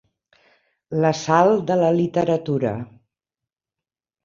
La sal de la literatura.